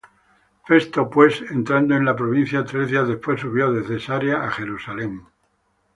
Festo pues, entrado en la provincia, tres días después subió de Cesarea á Jerusalem.